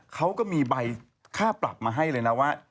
เขาก็มีใบค่าปรับมาให้เลยนะว่า